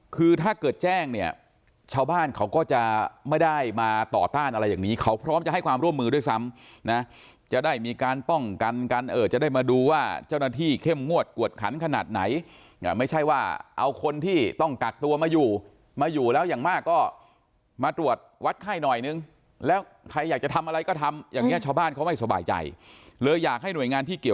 คือถ้าเกิดแจ้งเนี่ยชาวบ้านเขาก็จะไม่ได้มาต่อต้านอะไรอย่างนี้เขาพร้อมจะให้ความร่วมมือด้วยซ้ำนะจะได้มีการป้องกันกันจะได้มาดูว่าเจ้าหน้าที่เข้มงวดกวดขันขนาดไหนไม่ใช่ว่าเอาคนที่ต้องกักตัวมาอยู่มาอยู่แล้วอย่างมากก็มาตรวจวัดไข้หน่อยนึงแล้วใครอยากจะทำอะไรก็ทำอย่างเงี้ชาวบ้านเขาไม่สบายใจเลยอยากให้หน่วยงานที่เกี่ยว